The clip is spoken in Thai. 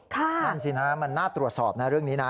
นั่นสินะมันน่าตรวจสอบนะเรื่องนี้นะ